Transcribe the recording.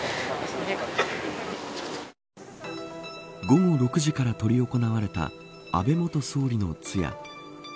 午後６時から執り行われた安倍元総理の通夜。